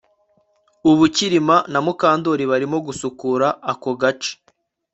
Ubu Kirima na Mukandoli barimo gusukura ako gace